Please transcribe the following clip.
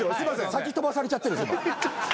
先飛ばされちゃってる。